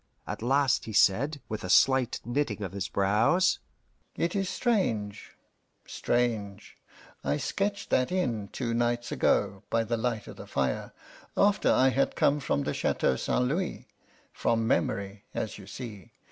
At last he said, with a slight knitting of his brows: "It is strange strange. I sketched that in two nights ago, by the light of the fire, after I had come from the Chateau St. Louis from memory, as you see.